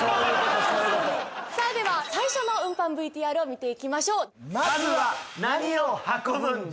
では最初の運搬ＶＴＲを見ていきましょう。